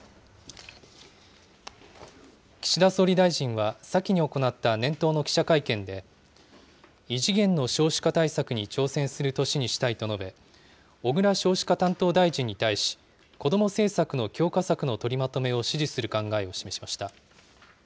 岸田総理大臣は先に行った年頭の記者会見で、異次元の少子化対策に挑戦する年にしたいと述べ、小倉少子化担当大臣に対し、子ども政策の強化策の取りまとめを指示する考えを示しました。